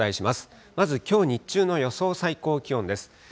まず、きょう日中の予想最高気温です。